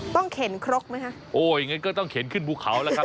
เข็นครกไหมคะโอ้อย่างงั้นก็ต้องเข็นขึ้นภูเขาแล้วครับ